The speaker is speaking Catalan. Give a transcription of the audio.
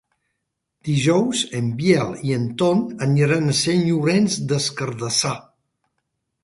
Dijous en Biel i en Ton aniran a Sant Llorenç des Cardassar.